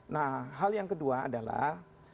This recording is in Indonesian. nah hal yang kedua adalah